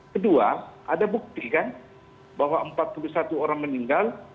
kedua ada bukti kan bahwa empat puluh satu orang meninggal